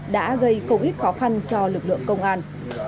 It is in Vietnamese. đã gây cầu ích khó khăn cho lực lượng công an